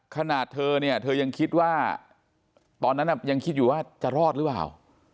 ขนาดเธอเนี่ยเธอยังคิดว่าตอนนั้นยังคิดอยู่ว่าจะรอดหรือเปล่า